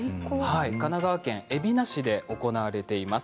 神奈川県海老名市で行われています。